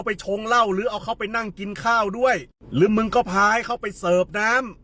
ชงเหล้าหรือเอาเขาไปนั่งกินข้าวด้วยหรือมึงก็พาให้เขาไปเสิร์ฟน้ำ